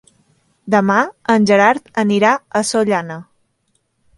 Demà en Gerard anirà a Sollana.